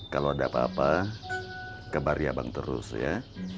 kalau ada apa apa kebari abang terus ya